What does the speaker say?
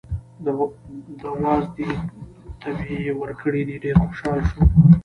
د وازدې تبی یې ورکړی دی، ډېر خوشحاله شو.